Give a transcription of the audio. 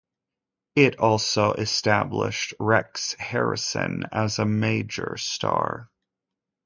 It also established Rex Harrison as a major star.